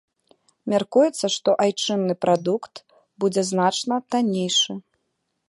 Мяркуецца, што айчынны прадукт будзе значна таннейшы.